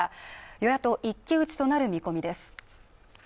与野党一騎打ちとなる見込みです